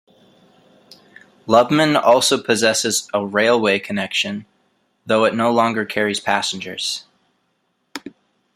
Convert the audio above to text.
Lubmin also possesses a railway connection, though it no longer carries passengers.